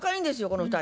この２人。